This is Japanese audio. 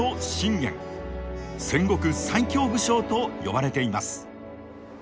戦国最強武将と呼ばれています。